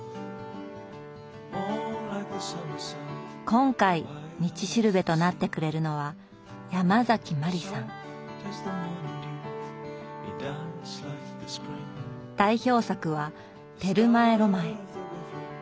今回「道しるべ」となってくれるのは代表作は「テルマエ・ロマエ」。